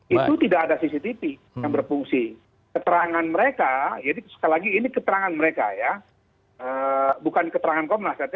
itu tidak ada cctv yang berfungsi keterangan mereka jadi sekali lagi ini keterangan mereka ya bukan keterangan komnas